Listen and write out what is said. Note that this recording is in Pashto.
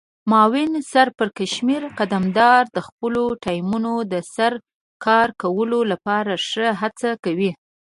معاون سرپرکمشر قدمدار د خپلو ټیمونو د سره کار کولو لپاره ښه هڅه کوي.